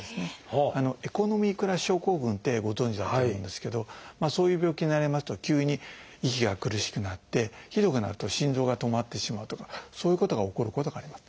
「エコノミークラス症候群」ってご存じだと思うんですけどそういう病気になりますと急に息が苦しくなってひどくなると心臓が止まってしまうとかそういうことが起こることがあります。